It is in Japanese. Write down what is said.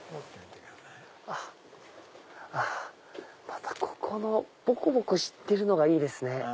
またここのぼこぼこしてるのがいいですね。